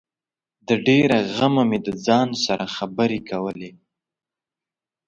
د ډېره غمه مې د ځان سره خبري کولې